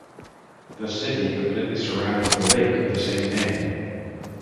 The city completely surrounds the lake of the same name.